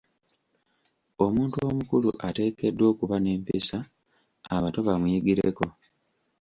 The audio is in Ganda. Omuntu omukulu ateekeddwa okuba n'empisa abato bamuyigireko